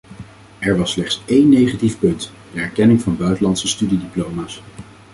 Er was slechts één negatief punt: de erkenning van buitenlandse studiediploma’s.